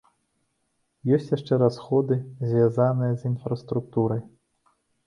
Ёсць яшчэ расходы, звязаныя з інфраструктурай.